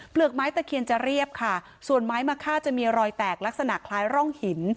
กไม้ตะเคียนจะเรียบค่ะส่วนไม้มะค่าจะมีรอยแตกลักษณะคล้ายร่องหิน